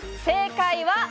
正解は。